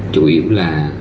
chủ yếu là